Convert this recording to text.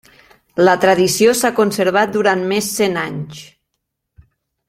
La tradició s'ha conservat durant més cent anys.